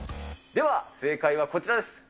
では、正解はこちらです。